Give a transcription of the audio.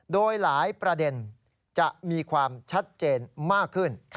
โดยหลายประเด็นจะมีความชัดเจนมากขึ้น